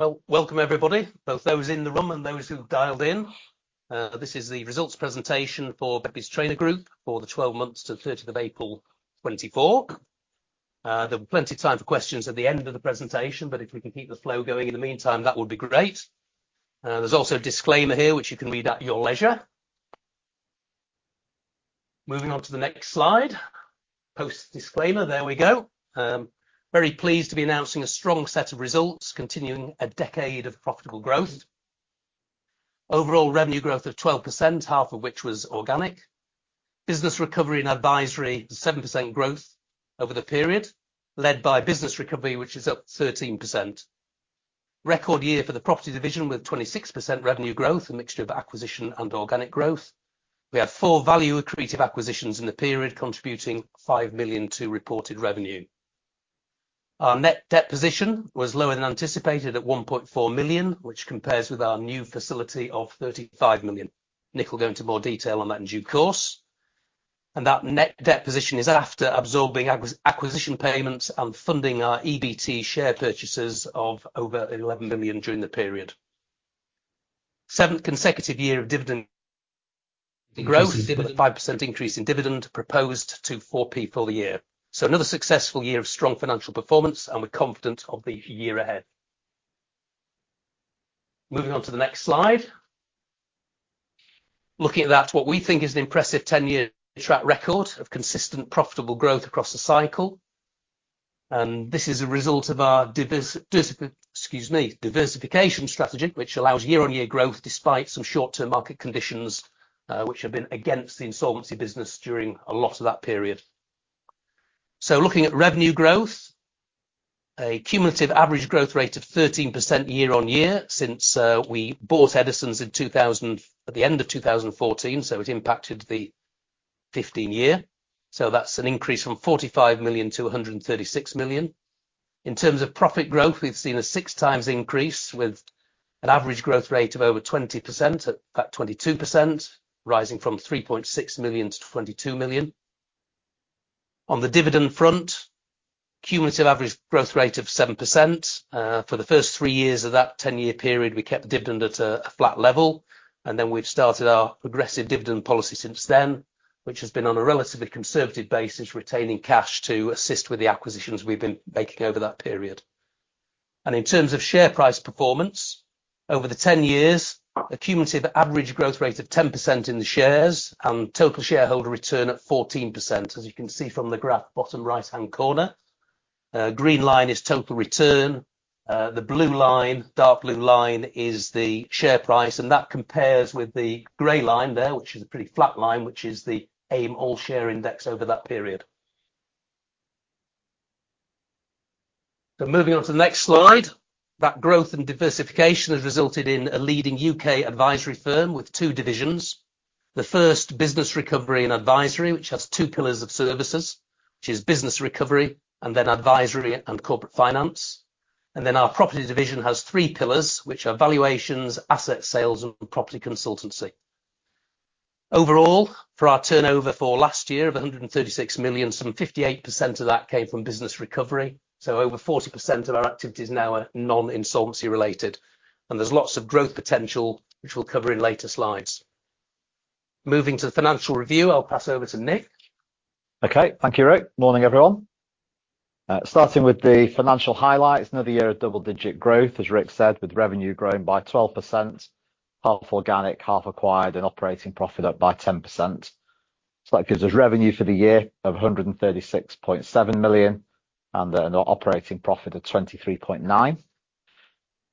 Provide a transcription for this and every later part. Well, welcome, everybody, both those in the room and those who have dialed in. This is the results presentation for Begbies Traynor Group for the 12 months to the 30th of April 2024. There will be plenty of time for questions at the end of the presentation, but if we can keep the flow going in the meantime, that would be great. There's also a disclaimer here, which you can read at your leisure. Moving on to the next slide, post disclaimer. There we go. Very pleased to be announcing a strong set of results, continuing a decade of profitable growth. Overall revenue growth of 12%, half of which was organic. Business recovery and advisory, 7% growth over the period, led by business recovery, which is up 13%. Record year for the property division, with 26% revenue growth, a mixture of acquisition and organic growth. We have four value accretive acquisitions in the period, contributing 5 million to reported revenue. Our net debt position was lower than anticipated at 1.4 million, which compares with our new facility of 35 million. Nick will go into more detail on that in due course. And that net debt position is after absorbing acquisition payments and funding our EBT share purchases of over 11 million during the period. Seventh consecutive year of dividend growth, with a 5% increase in dividend proposed to 4p a year. So another successful year of strong financial performance, and we're confident of the year ahead. Moving on to the next slide. Looking at that, what we think is an impressive 10-year track record of consistent, profitable growth across the cycle. This is a result of our diversification strategy, which allows year-on-year growth despite some short-term market conditions, which have been against the insolvency business during a lot of that period. Looking at revenue growth, a cumulative average growth rate of 13% year-on-year since we bought Eddisons at the end of 2014, so it impacted the 2015 year. That's an increase from 45 million to 136 million. In terms of profit growth, we've seen a 6 times increase, with an average growth rate of over 20%, at about 22%, rising from 3.6 million to 22 million. On the dividend front, cumulative average growth rate of 7%. For the first three years of that 10-year period, we kept the dividend at a, a flat level, and then we've started our progressive dividend policy since then, which has been on a relatively conservative basis, retaining cash to assist with the acquisitions we've been making over that period. And in terms of share price performance, over the 10 years, a cumulative average growth rate of 10% in the shares and total shareholder return at 14%. As you can see from the graph, bottom right-hand corner, green line is total return, the blue line, dark blue line is the share price, and that compares with the gray line there, which is a pretty flat line, which is the AIM All-Share Index over that period. So moving on to the next slide, that growth and diversification has resulted in a leading UK advisory firm with two divisions. The first, business recovery and advisory, which has two pillars of services, which is business recovery and then advisory and corporate finance. And then our property division has three pillars, which are valuations, asset sales, and property consultancy. Overall, for our turnover for last year of 136 million, some 58% of that came from business recovery. So over 40% of our activities now are non-insolvency related, and there's lots of growth potential, which we'll cover in later slides. Moving to the financial review, I'll pass over to Nick. Okay. Thank you, Ric. Morning, everyone. Starting with the financial highlights, another year of double-digit growth, as Ric said, with revenue growing by 12%, half organic, half acquired, and operating profit up by 10%. So that gives us revenue for the year of 136.7 million and an operating profit of 23.9 million.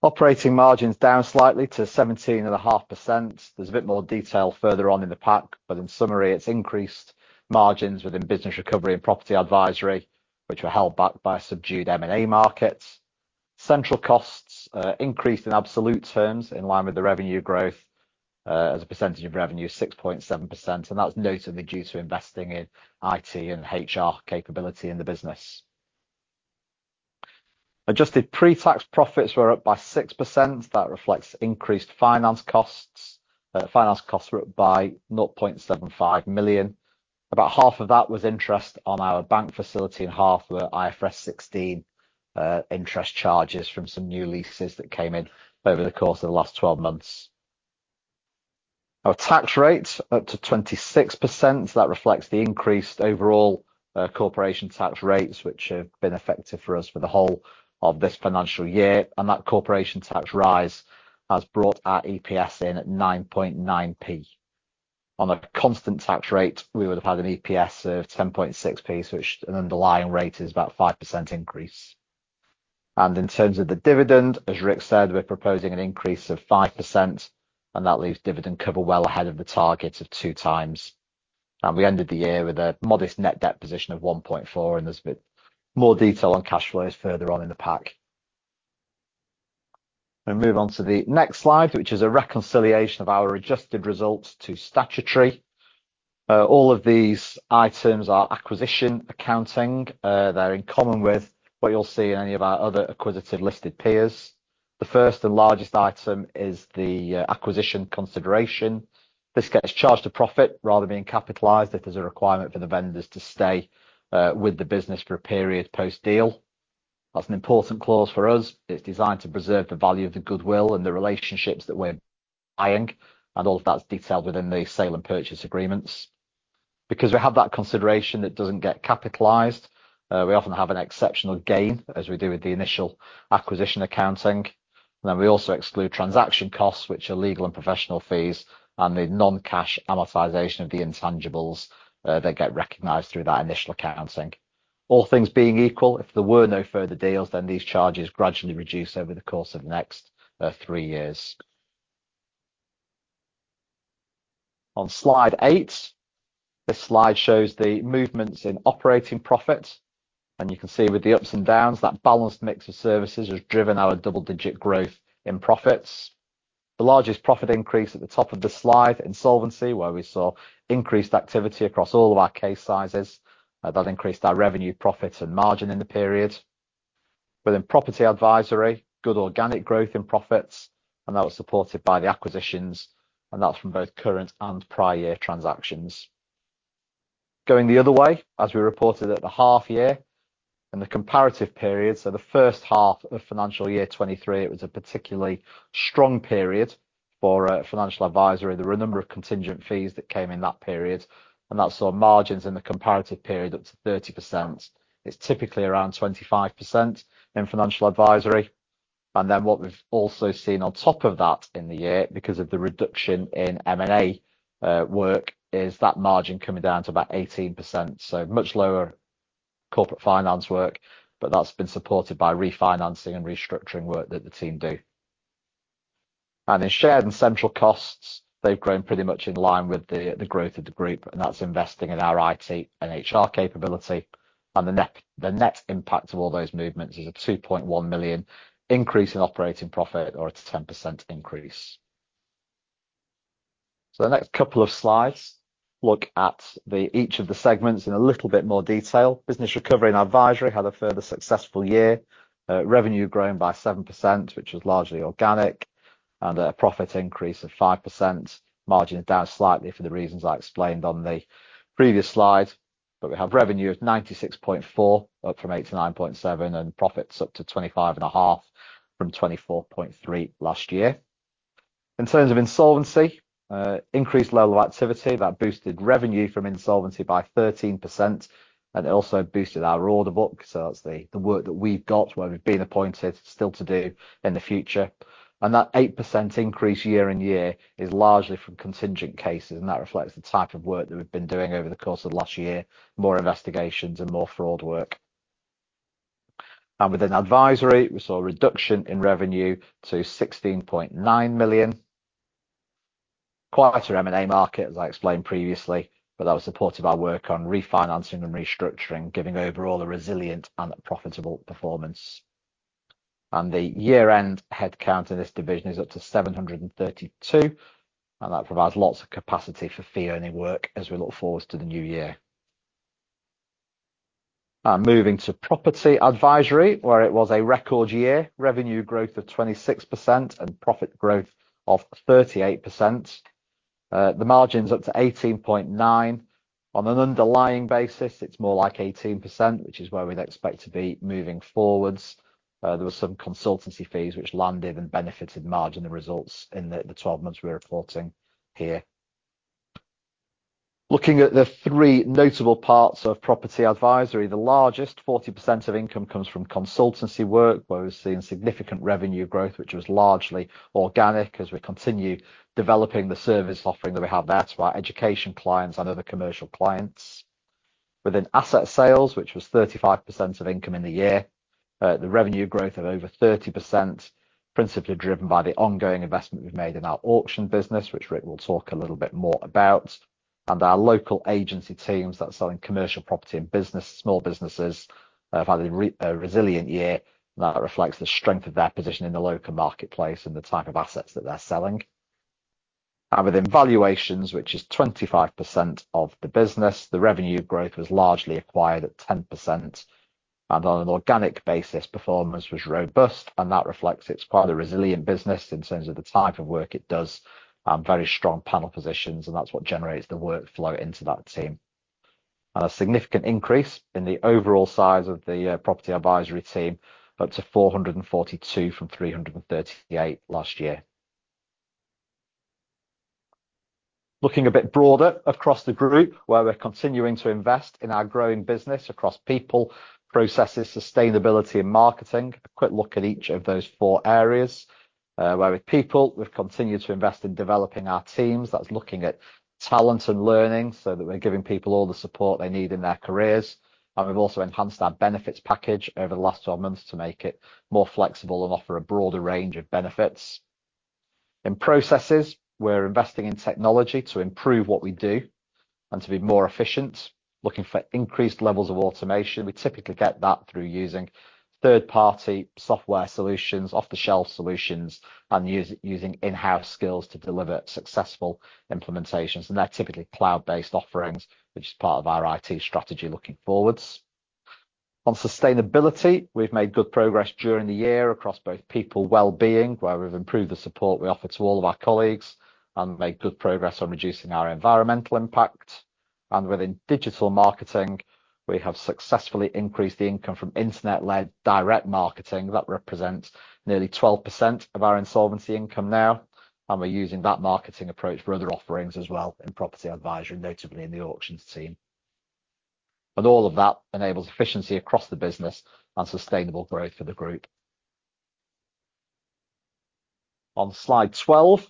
Operating margins down slightly to 17.5%. There's a bit more detail further on in the pack, but in summary, it's increased margins within business recovery and property advisory, which were held back by subdued M&A markets. Central costs increased in absolute terms, in line with the revenue growth, as a percentage of revenue, 6.7%, and that was notably due to investing in IT and HR capability in the business. Adjusted pre-tax profits were up by 6%. That reflects increased finance costs. Finance costs were up by 0.75 million. About half of that was interest on our bank facility and half were IFRS 16 interest charges from some new leases that came in over the course of the last 12 months. Our tax rate up to 26%. That reflects the increased overall corporation tax rates, which have been effective for us for the whole of this financial year, and that corporation tax rise has brought our EPS in at 9.9p. On a constant tax rate, we would have had an EPS of 10.6p, so an underlying rate is about 5% increase. And in terms of the dividend, as Ric said, we're proposing an increase of 5%, and that leaves dividend cover well ahead of the target of 2 times. We ended the year with a modest net debt position of 1.4, and there's a bit more detail on cash flows further on in the pack. We move on to the next slide, which is a reconciliation of our adjusted results to statutory. All of these items are acquisition accounting. They're in common with what you'll see in any of our other acquisitive listed peers. The first and largest item is the acquisition consideration. This gets charged to profit rather than being capitalized if there's a requirement for the vendors to stay with the business for a period post-deal. That's an important clause for us. It's designed to preserve the value of the goodwill and the relationships that we're buying, and all of that's detailed within the sale and purchase agreements. Because we have that consideration, it doesn't get capitalized. We often have an exceptional gain, as we do with the initial acquisition accounting. Then we also exclude transaction costs, which are legal and professional fees, and the non-cash amortization of the intangibles, that get recognized through that initial accounting. All things being equal, if there were no further deals, then these charges gradually reduce over the course of the next three years. On Slide 8, this slide shows the movements in operating profit, and you can see with the ups and downs, that balanced mix of services has driven our double-digit growth in profits. The largest profit increase at the top of the slide, in insolvency, where we saw increased activity across all of our case sizes. That increased our revenue, profits, and margin in the period. Within property advisory, good organic growth in profits, and that was supported by the acquisitions, and that's from both current and prior year transactions. Going the other way, as we reported at the half year, in the comparative period, so the first half of financial year 2023, it was a particularly strong period for financial advisory. There were a number of contingent fees that came in that period, and that saw margins in the comparative period up to 30%. It's typically around 25% in financial advisory. And then what we've also seen on top of that in the year, because of the reduction in M&A work, is that margin coming down to about 18%, so much lower corporate finance work, but that's been supported by refinancing and restructuring work that the team do. In shared and central costs, they've grown pretty much in line with the growth of the group, and that's investing in our IT and HR capability. The net impact of all those movements is a 2.1 million increase in operating profit or it's a 10% increase. The next couple of slides look at each of the segments in a little bit more detail. Business recovery and advisory had a further successful year. Revenue growing by 7%, which was largely organic, and a profit increase of 5%. Margin is down slightly for the reasons I explained on the previous slide, but we have revenue of 96.4, up from 89.7, and profits up to 25.5 from 24.3 last year. In terms of insolvency, increased level of activity, that boosted revenue from insolvency by 13%, and it also boosted our order book. So that's the work that we've got, where we've been appointed, still to do in the future. And that 8% increase year-on-year is largely from contingent cases, and that reflects the type of work that we've been doing over the course of the last year, more investigations and more fraud work. And within advisory, we saw a reduction in revenue to 16.9 million. Quieter M&A market, as I explained previously, but that was supported by work on refinancing and restructuring, giving overall a resilient and profitable performance. And the year-end headcount in this division is up to 732, and that provides lots of capacity for fee-earning work as we look forward to the new year. Moving to property advisory, where it was a record year, revenue growth of 26% and profit growth of 38%. The margin's up to 18.9. On an underlying basis, it's more like 18%, which is where we'd expect to be moving forwards. There was some consultancy fees which landed and benefited margin and results in the twelve months we're reporting here. Looking at the three notable parts of property advisory, the largest, 40% of income, comes from consultancy work, where we've seen significant revenue growth, which was largely organic as we continue developing the service offering that we have there to our education clients and other commercial clients. Within asset sales, which was 35% of income in the year, the revenue growth of over 30%, principally driven by the ongoing investment we've made in our auction business, which Ric will talk a little bit more about. And our local agency teams that are selling commercial property and small businesses have had a resilient year. That reflects the strength of their position in the local marketplace and the type of assets that they're selling. And within valuations, which is 25% of the business, the revenue growth was largely acquired at 10%, and on an organic basis, performance was robust, and that reflects it's quite a resilient business in terms of the type of work it does, and very strong panel positions, and that's what generates the workflow into that team. A significant increase in the overall size of the property advisory team, up to 442 from 338 last year. Looking a bit broader across the group, where we're continuing to invest in our growing business across people, processes, sustainability and marketing. A quick look at each of those four areas. Where, with people, we've continued to invest in developing our teams, that's looking at talent and learning, so that we're giving people all the support they need in their careers. And we've also enhanced our benefits package over the last 12 months to make it more flexible and offer a broader range of benefits. In processes, we're investing in technology to improve what we do and to be more efficient, looking for increased levels of automation. We typically get that through using third-party software solutions, off-the-shelf solutions, and using in-house skills to deliver successful implementations. And they're typically cloud-based offerings, which is part of our IT strategy looking forwards. On sustainability, we've made good progress during the year across both people wellbeing, where we've improved the support we offer to all of our colleagues and made good progress on reducing our environmental impact... and within digital marketing, we have successfully increased the income from internet-led direct marketing. That represents nearly 12% of our insolvency income now, and we're using that marketing approach for other offerings as well, in property advisory, notably in the auctions team. But all of that enables efficiency across the business and sustainable growth for the group. On Slide 12,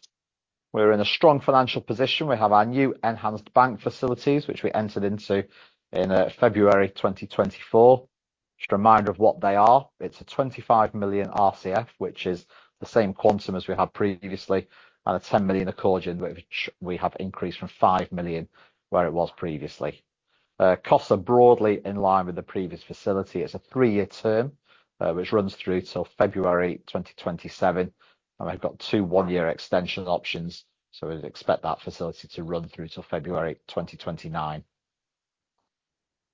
we're in a strong financial position. We have our new enhanced bank facilities, which we entered into in February 2024. Just a reminder of what they are, it's a 25 million RCF, which is the same quantum as we had previously, and a 10 million accordion, which we have increased from 5 million, where it was previously. Costs are broadly in line with the previous facility. It's a 3-year term, which runs through till February 2027, and we've got two 1-year extension options, so we'd expect that facility to run through till February 2029.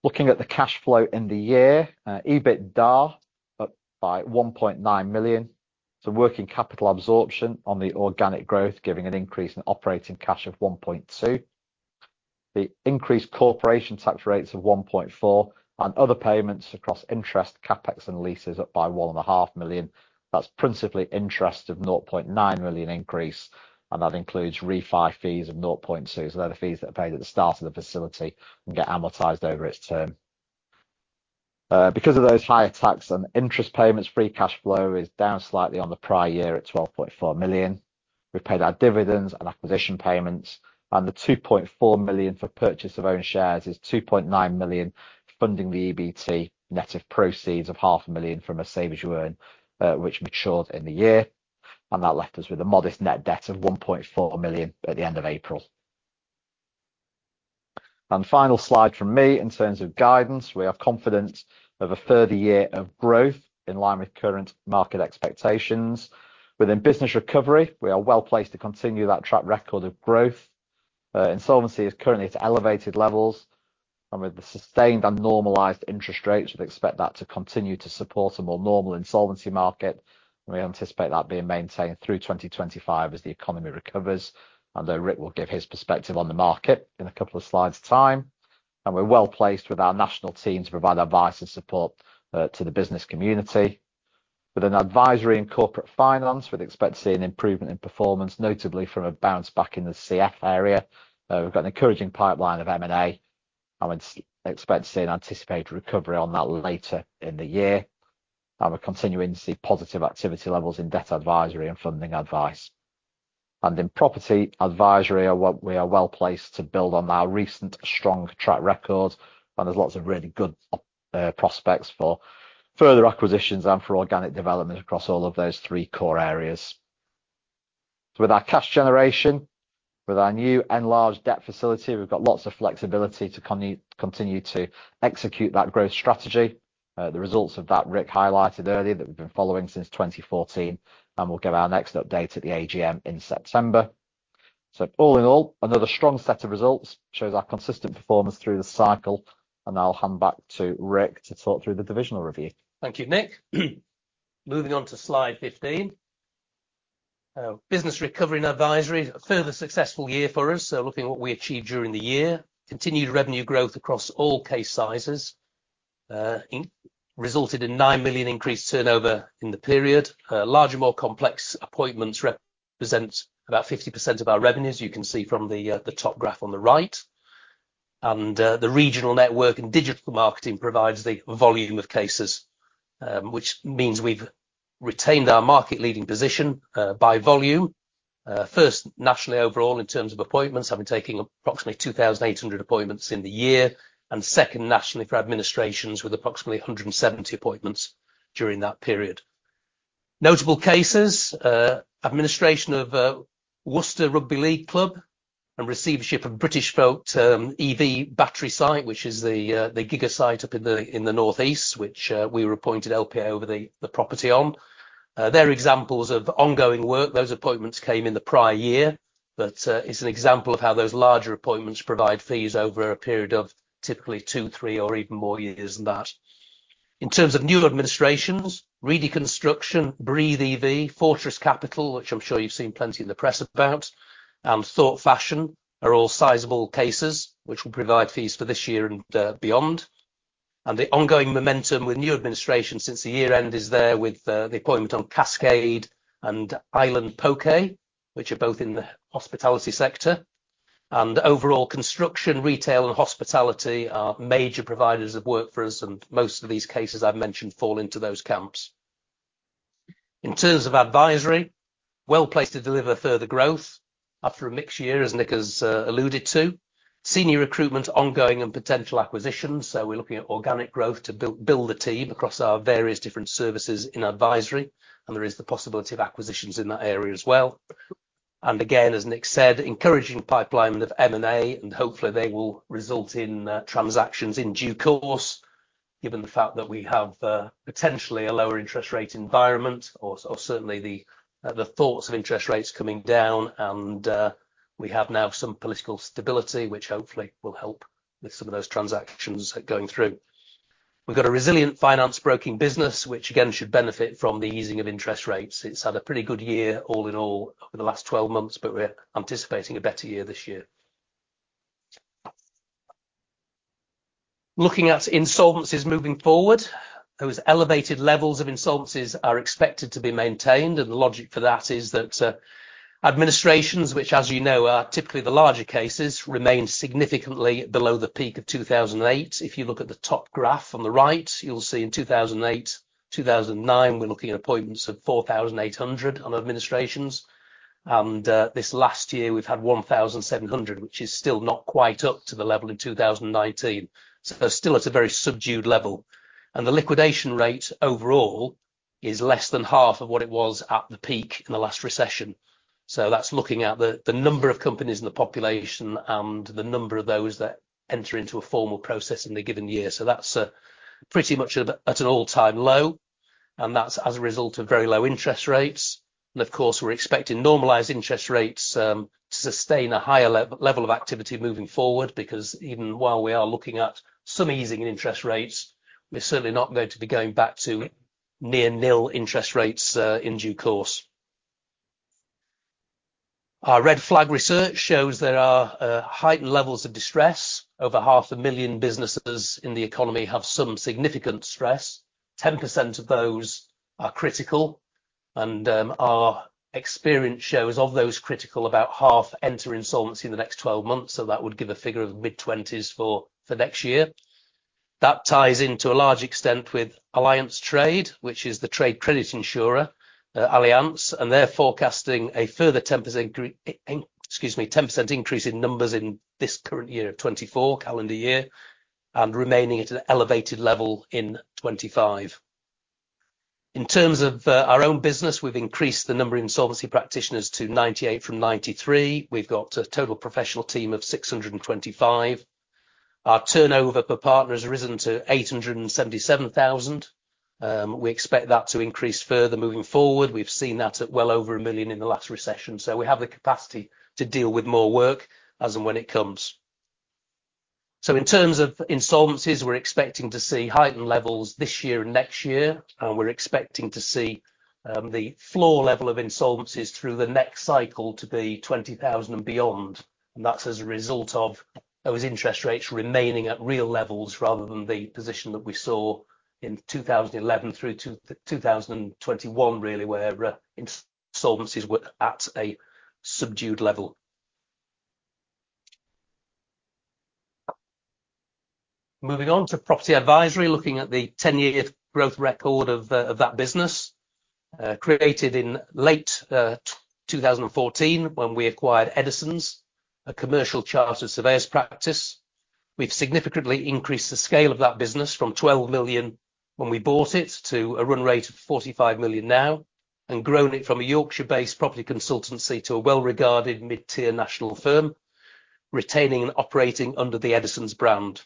Looking at the cash flow in the year, EBITDA, up by 1.9 million, so working capital absorption on the organic growth, giving an increase in operating cash of 1.2. The increased corporation tax rates of 1.4, and other payments across interest, CapEx and leases up by 1.5 million. That's principally interest of 0.9 million increase, and that includes refi fees of 0.2. So they're the fees that are paid at the start of the facility and get amortized over its term. Because of those higher tax and interest payments, free cash flow is down slightly on the prior year at 12.4 million. We've paid our dividends and acquisition payments, and the 2.4 million for purchase of own shares is 2.9 million, funding the EBT, net of proceeds of 0.5 million from a Save As You Earn, which matured in the year, and that left us with a modest net debt of 1.4 million at the end of April. Final slide from me, in terms of guidance, we have confidence of a further year of growth in line with current market expectations. Within business recovery, we are well placed to continue that track record of growth. Insolvency is currently at elevated levels, and with the sustained and normalized interest rates, we'd expect that to continue to support a more normal insolvency market. We anticipate that being maintained through 2025 as the economy recovers, and though Ric will give his perspective on the market in a couple of slides time, and we're well placed with our national team to provide advice and support, to the business community. With an advisory in corporate finance, we'd expect to see an improvement in performance, notably from a bounce back in the CF area. We've got an encouraging pipeline of M&A, and we'd expect to see an anticipated recovery on that later in the year. We're continuing to see positive activity levels in debt advisory and funding advice. In property advisory, we are well placed to build on our recent strong track record, and there's lots of really good prospects for further acquisitions and for organic development across all of those three core areas. With our cash generation, with our new enlarged debt facility, we've got lots of flexibility to continue to execute that growth strategy. The results of that, Ric highlighted earlier, that we've been following since 2014, and we'll give our next update at the AGM in September. All in all, another strong set of results, shows our consistent performance through the cycle, and I'll hand back to Ric to talk through the divisional review. Thank you, Nick. Moving on to Slide 15. Business recovery and advisory, a further successful year for us. So looking at what we achieved during the year, continued revenue growth across all case sizes resulted in 9 million increased turnover in the period. Larger, more complex appointments represent about 50% of our revenues, you can see from the top graph on the right. And, the regional network and digital marketing provides the volume of cases, which means we've retained our market leading position, by volume. First, nationally overall, in terms of appointments, having taken approximately 2,800 appointments in the year, and second, nationally for administrations, with approximately 170 appointments during that period. Notable cases, administration of Worcester Warriors and receivership of Britishvolt, EV battery site, which is the giga site up in the Northeast, which we were appointed LPA over the property on. They're examples of ongoing work. Those appointments came in the prior year, but it's an example of how those larger appointments provide fees over a period of typically two, three, or even more years than that. In terms of new administrations, Readie Construction, Breathe EV, Fortress Capital, which I'm sure you've seen plenty in the press about, and Thought Fashion are all sizable cases which will provide fees for this year and beyond. And the ongoing momentum with new administration since the year end is there with the appointment on Caskade and Island Poké, which are both in the hospitality sector. Overall, construction, retail, and hospitality are major providers of work for us, and most of these cases I've mentioned fall into those camps. In terms of advisory, well placed to deliver further growth after a mixed year, as Nick has alluded to. Senior recruitment, ongoing, and potential acquisitions, so we're looking at organic growth to build the team across our various different services in advisory, and there is the possibility of acquisitions in that area as well. And again, as Nick said, encouraging pipeline of M&A, and hopefully they will result in transactions in due course, given the fact that we have potentially a lower interest rate environment or certainly the thoughts of interest rates coming down. And we have now some political stability, which hopefully will help with some of those transactions going through. We've got a resilient finance broking business, which again should benefit from the easing of interest rates. It's had a pretty good year all in all over the last 12 months, but we're anticipating a better year this year. Looking at insolvencies moving forward, those elevated levels of insolvencies are expected to be maintained, and the logic for that is that, administrations, which, as you know, are typically the larger cases, remain significantly below the peak of 2008. If you look at the top graph on the right, you'll see in 2008, 2009, we're looking at appointments of 4,800 on administrations. And, this last year we've had 1,700, which is still not quite up to the level in 2019. So still at a very subdued level. The liquidation rate overall is less than half of what it was at the peak in the last recession. So that's looking at the number of companies in the population and the number of those that enter into a formal process in a given year. So that's pretty much at an all-time low, and that's as a result of very low interest rates. And of course, we're expecting normalized interest rates to sustain a higher level of activity moving forward, because even while we are looking at some easing in interest rates, we're certainly not going to be going back to near nil interest rates in due course. Our Red Flag research shows there are heightened levels of distress. Over 500,000 businesses in the economy have some significant stress. 10% of those are critical, and our experience shows of those critical, about half enter insolvency in the next 12 months, so that would give a figure of mid-20s for next year. That ties into a large extent with Allianz Trade, which is the trade credit insurer, Allianz, and they're forecasting a further 10% increase in numbers in this current year of 2024, calendar year, and remaining at an elevated level in 2025. In terms of our own business, we've increased the number of insolvency practitioners to 98 from 93. We've got a total professional team of 625. Our turnover per partner has risen to 877,000. We expect that to increase further moving forward. We've seen that at well over 1 million in the last recession, so we have the capacity to deal with more work as and when it comes. So in terms of insolvencies, we're expecting to see heightened levels this year and next year, and we're expecting to see the floor level of insolvencies through the next cycle to be 20,000 and beyond. And that's as a result of those interest rates remaining at real levels rather than the position that we saw in 2011 through 2021, really, where insolvencies were at a subdued level. Moving on to property advisory, looking at the 10-year growth record of that business. Created in late 2014, when we acquired Eddisons, a commercial charter surveyors practice. We've significantly increased the scale of that business from 12 million when we bought it, to a run rate of 45 million now, and grown it from a Yorkshire-based property consultancy to a well-regarded mid-tier national firm, retaining and operating under the Eddisons brand.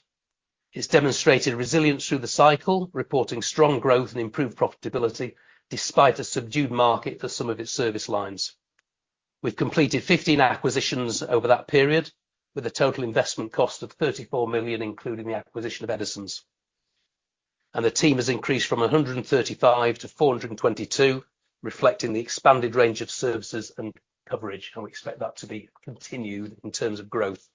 It's demonstrated resilience through the cycle, reporting strong growth and improved profitability, despite a subdued market for some of its service lines. We've completed 15 acquisitions over that period, with a total investment cost of 34 million, including the acquisition of Eddisons. The team has increased from 135 to 422, reflecting the expanded range of services and coverage, and we expect that to be continued in terms of growth.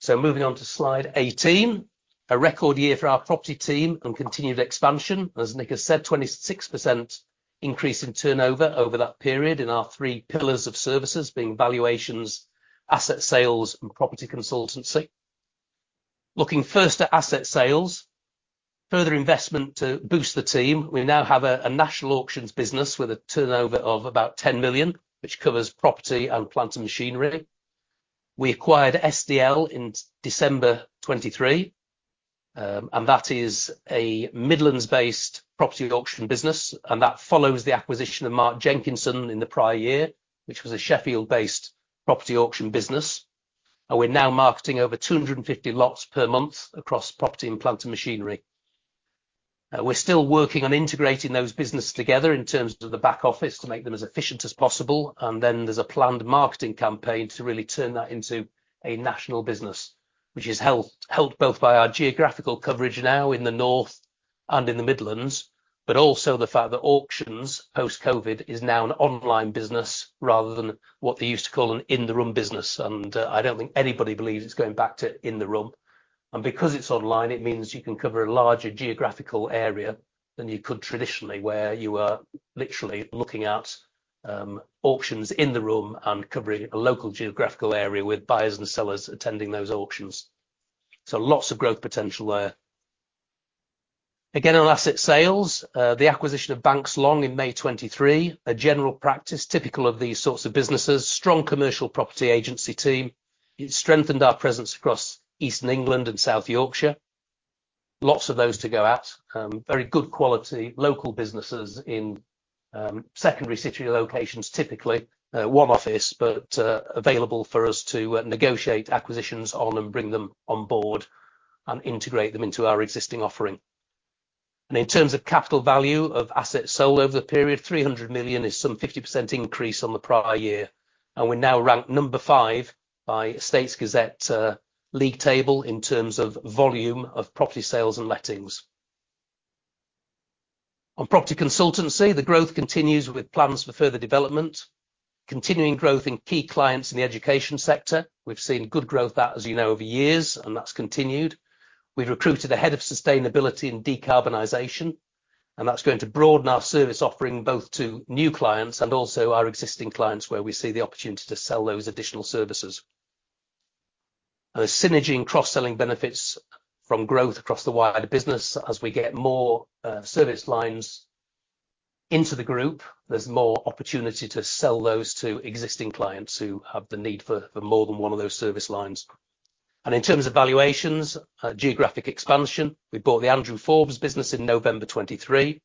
So moving on to slide 18. A record year for our property team and continued expansion. As Nick has said, 26% increase in turnover over that period in our three pillars of services being valuations, asset sales, and property consultancy. Looking first at asset sales, further investment to boost the team. We now have a national auctions business with a turnover of about 10 million, which covers property and plant and machinery. We acquired SDL in December 2023, and that is a Midlands-based property auction business, and that follows the acquisition of Mark Jenkinson in the prior year, which was a Sheffield-based property auction business. We're now marketing over 250 lots per month across property and plant and machinery. We're still working on integrating those businesses together in terms of the back office, to make them as efficient as possible. Then there's a planned marketing campaign to really turn that into a national business, which is helped both by our geographical coverage now in the North and in the Midlands, but also the fact that auctions post-COVID is now an online business rather than what they used to call an in-the-room business. I don't think anybody believes it's going back to in the room. And because it's online, it means you can cover a larger geographical area than you could traditionally, where you were literally looking at auctions in the room and covering a local geographical area with buyers and sellers attending those auctions. So lots of growth potential there. Again, on asset sales, the acquisition of Banks Long in May 2023, a general practice typical of these sorts of businesses. Strong commercial property agency team. It strengthened our presence across Eastern England and South Yorkshire. Lots of those to go at. Very good quality local businesses in secondary city locations, typically one office, but available for us to negotiate acquisitions on and bring them on board and integrate them into our existing offering. And in terms of capital value of assets sold over the period, 300 million is some 50% increase on the prior year, and we're now ranked number 5 by Estates Gazette league table in terms of volume of property sales and lettings. On property consultancy, the growth continues with plans for further development. Continuing growth in key clients in the education sector. We've seen good growth that, as you know, over years, and that's continued. We've recruited a head of sustainability and decarbonization, and that's going to broaden our service offering, both to new clients and also our existing clients, where we see the opportunity to sell those additional services. The synergy and cross-selling benefits from growth across the wider business. As we get more service lines into the group, there's more opportunity to sell those to existing clients who have the need for more than one of those service lines. In terms of valuations, geographic expansion, we bought the Andrew Forbes business in November 2023,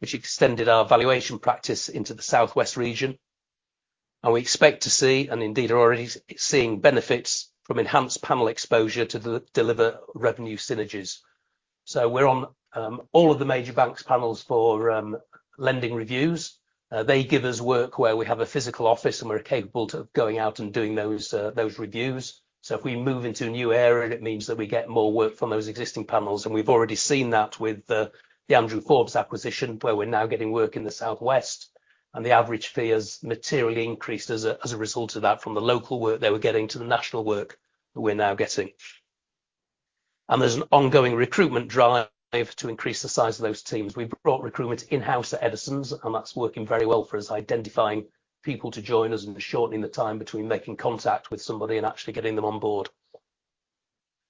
which extended our valuation practice into the Southwest region, and we expect to see, and indeed are already seeing benefits from enhanced panel exposure to deliver revenue synergies. We're on all of the major banks panels for lending reviews. They give us work where we have a physical office, and we're capable to going out and doing those reviews. So if we move into a new area, it means that we get more work from those existing panels, and we've already seen that with the Andrew Forbes acquisition, where we're now getting work in the Southwest. And the average fee has materially increased as a result of that from the local work they were getting to the national work we're now getting. And there's an ongoing recruitment drive to increase the size of those teams. We've brought recruitment in-house at Eddisons, and that's working very well for us, identifying people to join us and shortening the time between making contact with somebody and actually getting them on board.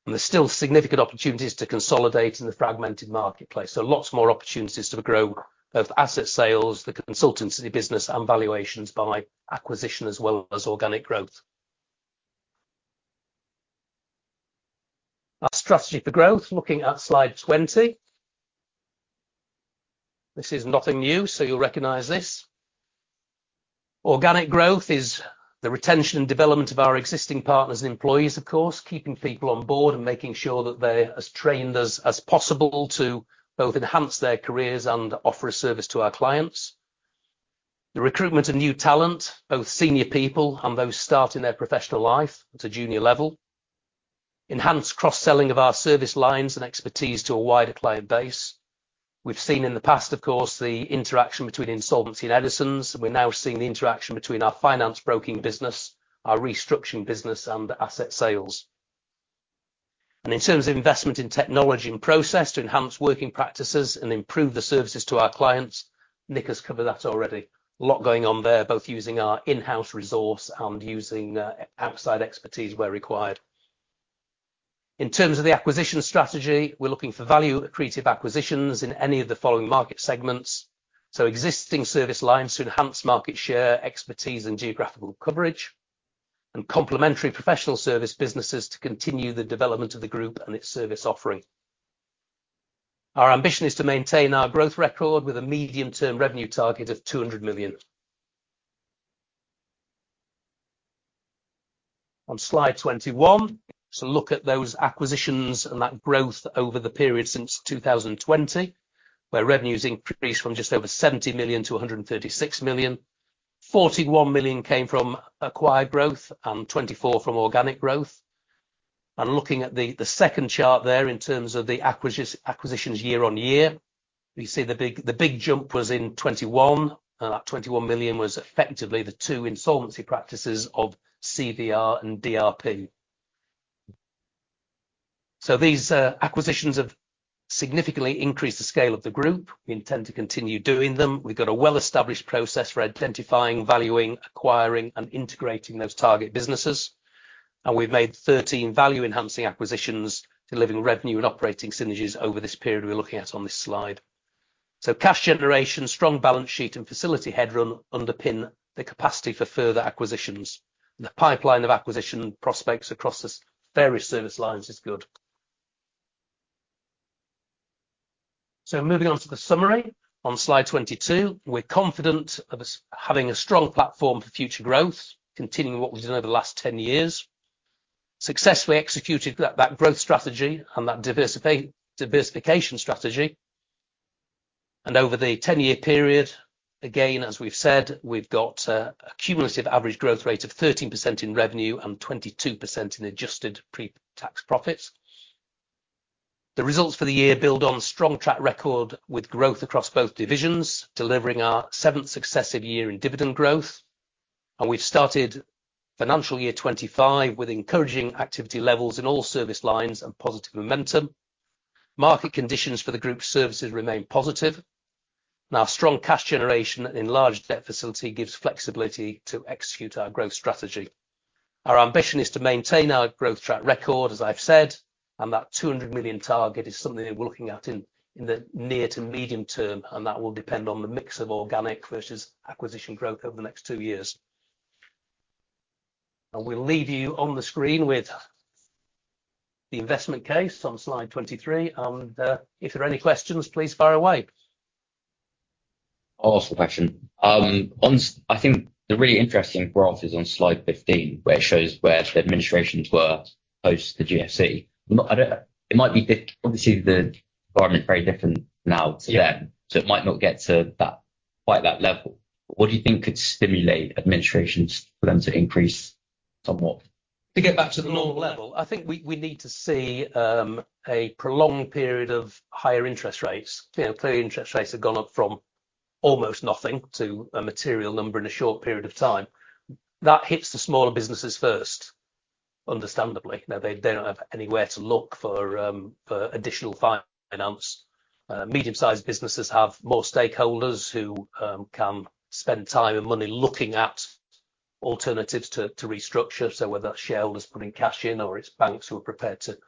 And there's still significant opportunities to consolidate in the fragmented marketplace, so lots more opportunities to grow both asset sales, the consultancy business, and valuations by acquisition as well as organic growth. Our strategy for growth, looking at slide 20. This is nothing new, so you'll recognize this. Organic growth is the retention and development of our existing partners and employees, of course, keeping people on board and making sure that they're as trained as, as possible to both enhance their careers and offer a service to our clients. The recruitment of new talent, both senior people and those starting their professional life at a junior level. Enhance cross-selling of our service lines and expertise to a wider client base. We've seen in the past, of course, the interaction between insolvency and Eddisons, and we're now seeing the interaction between our finance broking business, our restructuring business, and asset sales. In terms of investment in technology and process to enhance working practices and improve the services to our clients, Nick has covered that already. A lot going on there, both using our in-house resource and using outside expertise where required. In terms of the acquisition strategy, we're looking for value accretive acquisitions in any of the following market segments. So existing service lines to enhance market share, expertise, and geographical coverage, and complementary professional service businesses to continue the development of the group and its service offering. Our ambition is to maintain our growth record with a medium-term revenue target of 200 million. On slide 21, so look at those acquisitions and that growth over the period since 2020, where revenues increased from just over 70 million to 136 million. 41 million came from acquired growth and 24 from organic growth. Looking at the second chart there, in terms of the acquisitions year-on-year, we see the big jump was in 2021, and that 21 million was effectively the two insolvency practices of CVR and DRP. These acquisitions have significantly increased the scale of the group. We intend to continue doing them. We've got a well-established process for identifying, valuing, acquiring, and integrating those target businesses, and we've made 13 value-enhancing acquisitions, delivering revenue and operating synergies over this period we're looking at on this slide. Cash generation, strong balance sheet, and facility headroom underpin the capacity for further acquisitions. The pipeline of acquisition prospects across the various service lines is good. Moving on to the summary on slide 22. We're confident of us having a strong platform for future growth, continuing what we've done over the last 10 years, successfully executed that growth strategy and that diversification strategy. Over the 10-year period, again, as we've said, we've got a cumulative average growth rate of 13% in revenue and 22% in adjusted pre-tax profits. The results for the year build on strong track record with growth across both divisions, delivering our seventh successive year in dividend growth, and we've started financial year 2025 with encouraging activity levels in all service lines and positive momentum. Market conditions for the group services remain positive. Now, strong cash generation and enlarged debt facility gives flexibility to execute our growth strategy. Our ambition is to maintain our growth track record, as I've said, and that 200 million target is something we're looking at in the near to medium term, and that will depend on the mix of organic versus acquisition growth over the next 2 years. And we'll leave you on the screen with the investment case on slide 23, and if there are any questions, please fire away. I'll ask the question. On, I think the really interesting graph is on slide 15, where it shows where the administrations were post the GFC. I don't. It might be different, obviously, the environment is very different now to then- Yeah. So it might not get to that, quite that level. What do you think could stimulate administrations for them to increase somewhat? To get back to the normal level? I think we, we need to see a prolonged period of higher interest rates. You know, clearly, interest rates have gone up from almost nothing to a material number in a short period of time. That hits the smaller businesses first, understandably. Now, they, they don't have anywhere to look for, for additional finance. Medium-sized businesses have more stakeholders who can spend time and money looking at alternatives to, to restructure. So whether that's shareholders putting cash in, or it's banks who are prepared to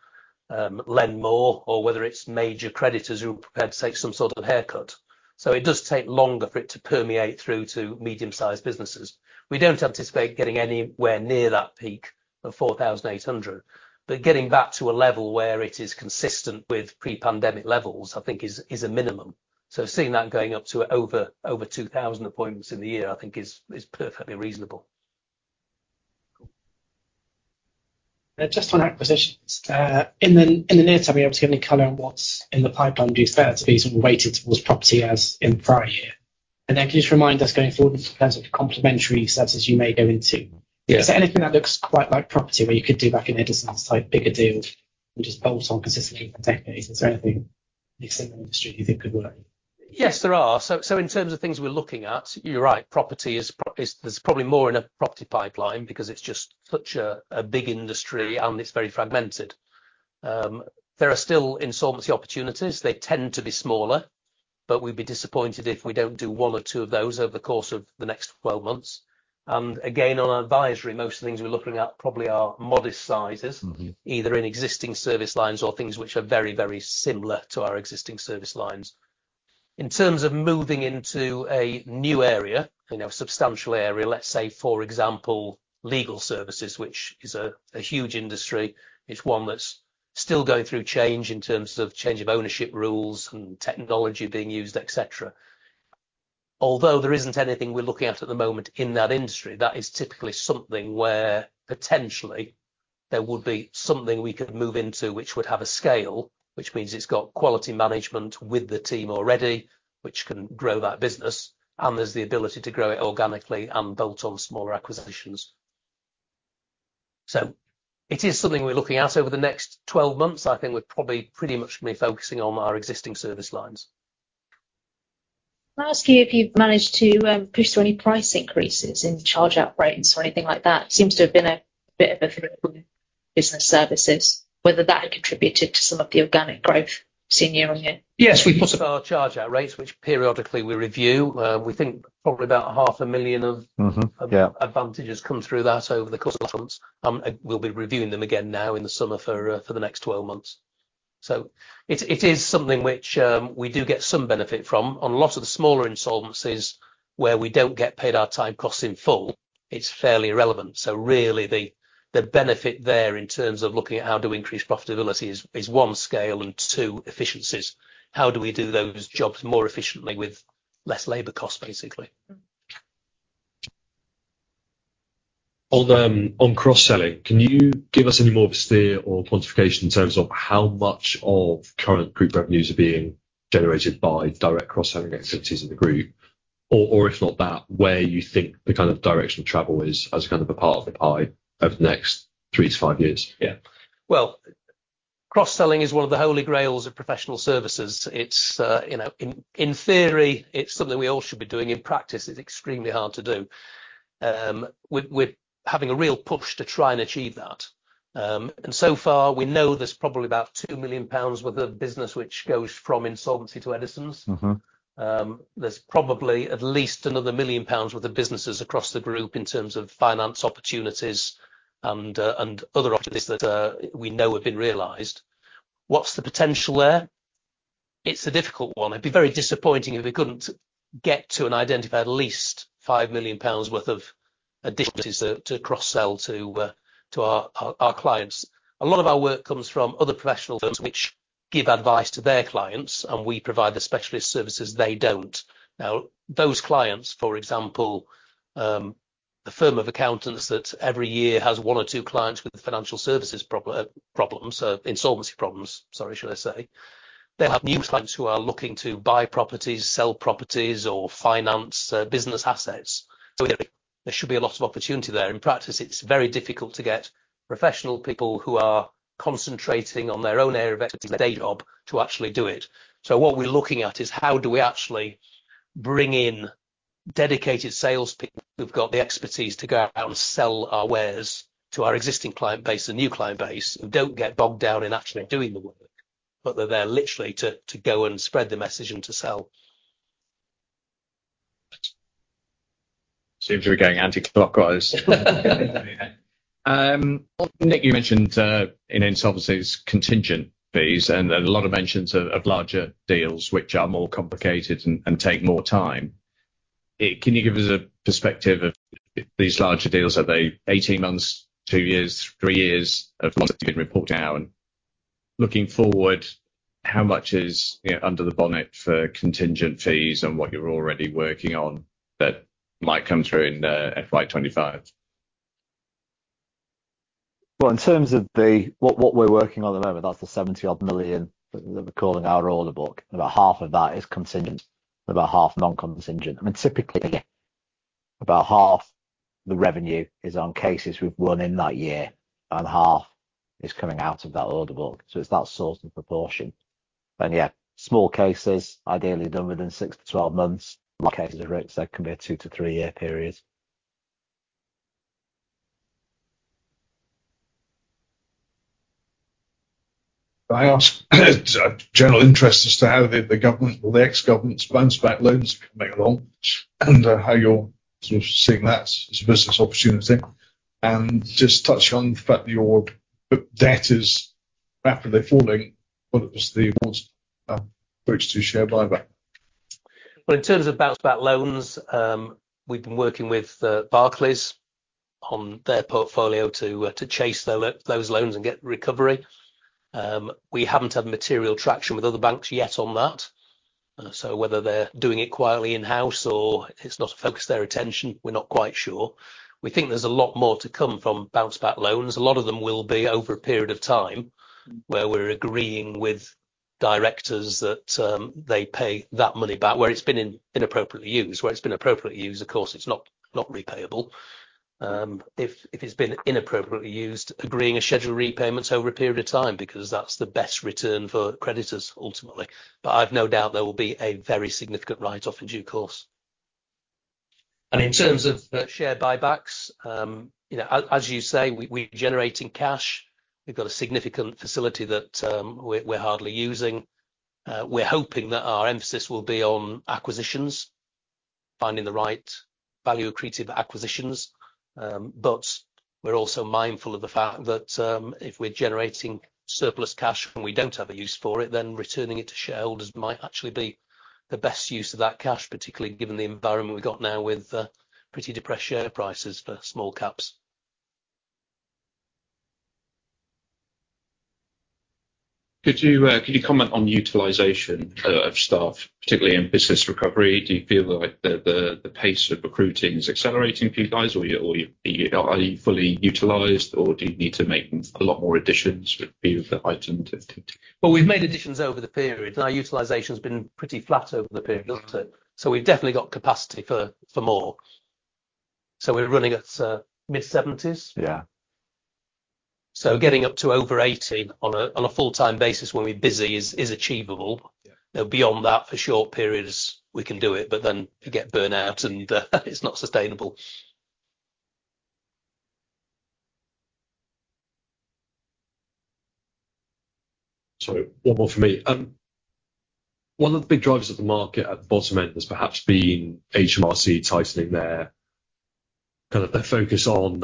lend more, or whether it's major creditors who are prepared to take some sort of haircut. So it does take longer for it to permeate through to medium-sized businesses. We don't anticipate getting anywhere near that peak of 4,800, but getting back to a level where it is consistent with pre-pandemic levels, I think is a minimum. So seeing that going up to over 2,000 appointments in the year, I think is perfectly reasonable. Cool. Just on acquisitions. In the near term, are you able to give any color on what's in the pipeline you said to be sort of weighted towards property as in prior year? And then, can you just remind us, going forward, in terms of the complementary services you may go into? Yes. Is there anything that looks quite like property, where you could do like an Eddisons type bigger deal, which is built on consistently for decades? Is there anything in the same industry you think could work? Yes, there are. So, in terms of things we're looking at, you're right, property. There's probably more in a property pipeline because it's just such a big industry, and it's very fragmented. There are still insolvency opportunities. They tend to be smaller, but we'd be disappointed if we don't do one or two of those over the course of the next twelve months. And again, on advisory, most of the things we're looking at probably are modest sizes- Mm-hmm... either in existing service lines or things which are very, very similar to our existing service lines. In terms of moving into a new area, you know, a substantial area, let's say, for example, legal services, which is a huge industry. It's one that's still going through change in terms of change of ownership rules and technology being used, et cetera. Although there isn't anything we're looking at the moment in that industry, that is typically something where potentially there would be something we could move into, which would have a scale. Which means it's got quality management with the team already, which can grow that business, and there's the ability to grow it organically and build on smaller acquisitions. So it is something we're looking at over the next 12 months. I think we're probably pretty much going to be focusing on our existing service lines. Can I ask you if you've managed to, push through any price increases in charge-out rates or anything like that? Seems to have been a bit of a theme with business services, whether that had contributed to some of the organic growth seen year on year. Yes, we pushed our charge-out rates, which periodically we review. We think probably about 500,000 of- Mm-hmm. Yeah -advantages come through that over the course of the months. And we'll be reviewing them again now in the summer for, for the next 12 months. So it's, it is something which, we do get some benefit from. On a lot of the smaller insolvencies where we don't get paid our time costs in full, it's fairly irrelevant. So really, the, the benefit there in terms of looking at how do we increase profitability is, is 1, scale, and 2, efficiencies. How do we do those jobs more efficiently with less labor cost, basically? Mm-hmm. On cross-selling, can you give us any more steer or quantification in terms of how much of current group revenues are being generated by direct cross-selling activities in the group? Or, if not that, where you think the kind of direction of travel is as kind of a part of the pie over the next three to five years? Yeah. Well, cross-selling is one of the holy grails of professional services. It's, you know, in theory, it's something we all should be doing. In practice, it's extremely hard to do. We're having a real push to try and achieve that. And so far, we know there's probably about 2 million pounds worth of business, which goes from insolvency to Eddisons. Mm-hmm. There's probably at least another 1 million pounds worth of businesses across the group in terms of finance opportunities and other opportunities that we know have been realized. What's the potential there? It's a difficult one. It'd be very disappointing if we couldn't get to and identify at least 5 million pounds worth of additional to cross-sell to our clients. A lot of our work comes from other professional firms, which give advice to their clients, and we provide the specialist services they don't. Now, those clients, for example, the firm of accountants that every year has one or two clients with financial services problems, insolvency problems, sorry, should I say. They'll have new clients who are looking to buy properties, sell properties, or finance business assets. So there should be a lot of opportunity there. In practice, it's very difficult to get professional people who are concentrating on their own area of activity, their day job, to actually do it. So what we're looking at is how do we actually bring in dedicated sales people who've got the expertise to go out and sell our wares to our existing client base and new client base, and don't get bogged down in actually doing the work, but they're there literally to, to go and spread the message and to sell. Seems we're going anticlockwise. Nick, you mentioned in insolvencies contingent fees and a lot of mentions of larger deals, which are more complicated and take more time. Can you give us a perspective of these larger deals? Are they 18 months, 2 years, 3 years or what's been reported now, and looking forward, how much is, you know, under the bonnet for contingent fees and what you're already working on that might come through in FY 25? Well, in terms of what we're working on at the moment, that's the 70-odd million that we're calling our order book, about half of that is contingent, about half non-contingent. I mean, typically, about half the revenue is on cases we've won in that year, and half is coming out of that order book. So it's that sort of proportion. And yeah, small cases, ideally done within 6-12 months, corporate cases that can be a 2-3-year periods. Can I ask a question of general interest as to how the government's Bounce Back Loans are playing out, and how you're sort of seeing that as a business opportunity? Just touch on the fact that your bad debt is rapidly falling, but it was the bridge to share buyback. Well, in terms of bounce back loans, we've been working with Barclays on their portfolio to chase those loans and get recovery. We haven't had material traction with other banks yet on that. So whether they're doing it quietly in-house or it's not a focus of their attention, we're not quite sure. We think there's a lot more to come from bounce back loans. A lot of them will be over a period of time, where we're agreeing with directors that they pay that money back, where it's been inappropriately used. Where it's been appropriately used, of course, it's not repayable. If it's been inappropriately used, agreeing a schedule of repayments over a period of time, because that's the best return for creditors, ultimately. But I've no doubt there will be a very significant write-off in due course. And in terms of the share buybacks, you know, as you say, we're generating cash. We've got a significant facility that we're hardly using. We're hoping that our emphasis will be on acquisitions, finding the right value accretive acquisitions, but we're also mindful of the fact that if we're generating surplus cash and we don't have a use for it, then returning it to shareholders might actually be the best use of that cash, particularly given the environment we've got now with pretty depressed share prices for small caps. Could you comment on the utilization of staff, particularly in business recovery? Do you feel like the pace of recruiting is accelerating for you guys, or are you fully utilized, or do you need to make a lot more additions with the item? Well, we've made additions over the period. Our utilization's been pretty flat over the period, hasn't it? So we've definitely got capacity for, for more. So we're running at mid-seventies? Yeah. So getting up to over 80 on a full-time basis when we're busy is achievable. Yeah. Now, beyond that, for short periods, we can do it, but then you get burnout, and it's not sustainable. So one more from me. One of the big drivers of the market at the bottom end has perhaps been HMRC tightening their kind of the focus on,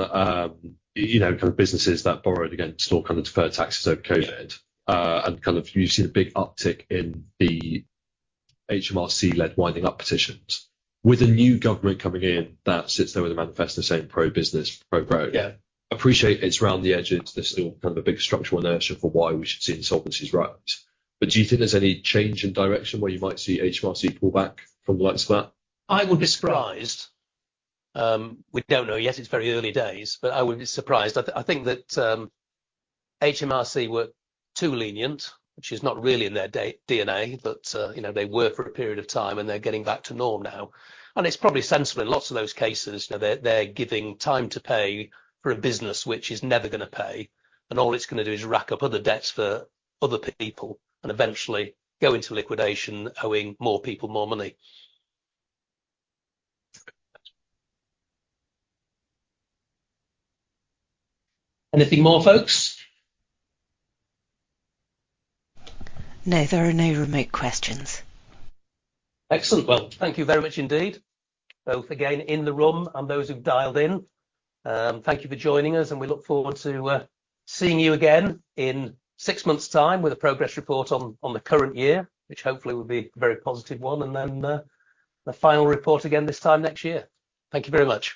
you know, kind of businesses that borrowed against or kind of deferred taxes over COVID. Yeah. And kind of you see the big uptick in the HMRC-led winding-up petitions. With the new government coming in, that sits there with a manifesto saying, "Pro-business, pro-growth. Yeah. Appreciate it's round the edges. There's still kind of a big structural inertia for why we should see insolvencies right. But do you think there's any change in direction where you might see HMRC pull back from the likes of that? I would be surprised. We don't know yet. It's very early days, but I would be surprised. I think that HMRC were too lenient, which is not really in their DNA, but you know, they were for a period of time, and they're getting back to normal now. And it's probably sensible in lots of those cases. They're giving time to pay for a business which is never gonna pay, and all it's gonna do is rack up other debts for other people, and eventually go into liquidation, owing more people more money. Anything more, folks? No, there are no remote questions. Excellent. Well, thank you very much indeed. Both again, in the room and those who've dialed in, thank you for joining us, and we look forward to seeing you again in six months' time with a progress report on the current year, which hopefully will be a very positive one, and then the final report again this time next year. Thank you very much.